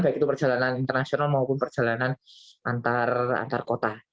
baik itu perjalanan internasional maupun perjalanan antar antar kota